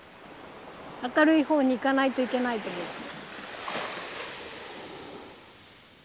明るい方に行かないといけないと思って。